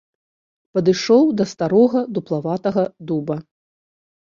Падышоў да старога дуплаватага дуба.